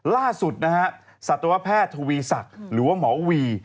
ล่าสุดนะฮะสัตวแพทย์ทวีศักดิ์หรือว่าหมอวี